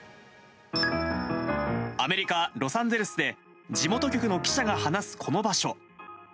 アメリカ・ロサンゼルスで、地元局の記者が話すこの場所。